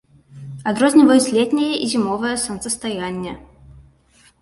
Адрозніваюць летняе і зімовае сонцастаянне.